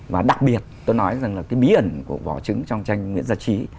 và đặc biệt tôi nói rằng là cái bí ẩn của vỏ trứng trong tranh nguyễn gia trí